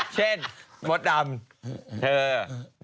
เช่นบ๊อตดำเธอ